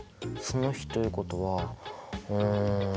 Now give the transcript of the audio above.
その比ということはうん。